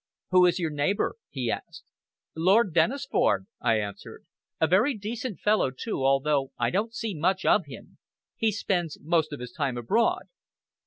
"Who is your neighbor?" he asked. "Lord Dennisford," I answered. "A very decent fellow, too, although I don't see much of him. He spends most of his time abroad."